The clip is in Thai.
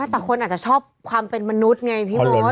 แต่คนอาจจะชอบความเป็นมนุษย์ไงพี่มด